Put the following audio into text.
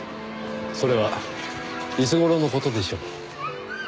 それはいつ頃の事でしょう？